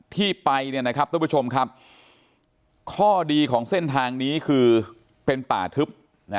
ที่ไปเนี่ยนะครับทุกผู้ชมครับข้อดีของเส้นทางนี้คือเป็นป่าทึบ